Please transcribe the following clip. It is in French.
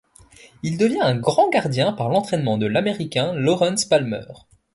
Il devient un grand gardien par l'entraînement de l'Américain Lawrence Palmer.